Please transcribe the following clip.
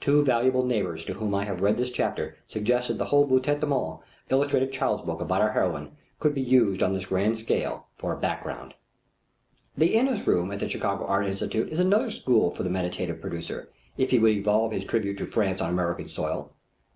Two valuable neighbors to whom I have read this chapter suggest that the whole Boutet de Monvel illustrated child's book about our heroine could be used on this grand scale, for a background. The Inness room at the Chicago Art Institute is another school for the meditative producer, if he would evolve his tribute to France on American soil.